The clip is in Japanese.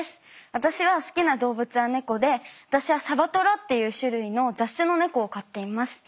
私が好きな動物は猫で私はサバトラっていう種類の雑種の猫を飼っています。